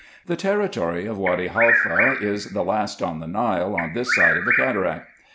The territory of Wady Haifa is the last on the Nile, on this side of the cataract.